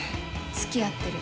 つきあってる。